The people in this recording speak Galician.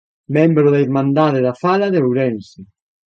Membro da Irmandade da Fala de Ourense.